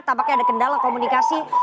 tampaknya ada kendala komunikasi